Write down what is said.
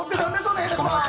お願いします。